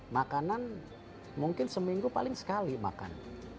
makanan mungkin seminggu paling sekali makan